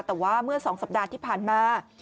แต่ว่าเมื่อ๒สัปดาห์ที่ผ่านมา